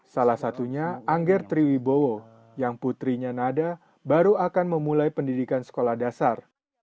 salah satunya angger triwibowo yang putrinya nada baru akan memulai pendidikan sekolah dasar